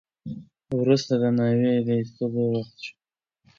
وروسته د ناوې د ایستلو وخت شو.